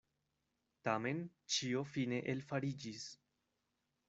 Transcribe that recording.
Tamen ĉio fine elfariĝis.